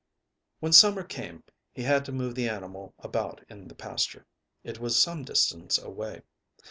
When summer came he had to move the animal about in the pasture. It was some distance away.